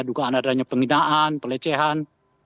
dukaan adanya penghinaan pelecehan